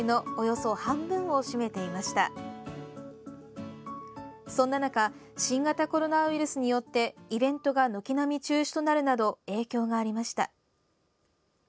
そんな中新型コロナウイルスによってイベントが軒並み中止となるなど影響がありました。